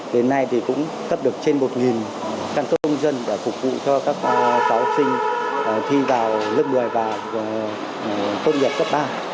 đến nay cũng cấp được trên một căn cước công dân để phục vụ cho các giáo sinh thi vào lớp một mươi và công nghiệp cấp ba